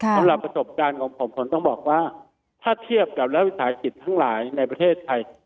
สำหรับประสบการณ์ของผมผมต้องบอกว่าถ้าเทียบกับรัฐวิสาหกิจทั้งหลายในประเทศไทย